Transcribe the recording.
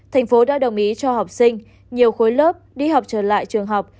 thành phố đã đồng ý cho học sinh nhiều khối lớp đi học trở lại trường học